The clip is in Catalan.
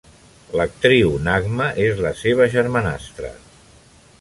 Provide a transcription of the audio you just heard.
L'actriu Nagma és la seva germanastra.